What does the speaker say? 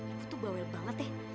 itu tuh bawel banget ya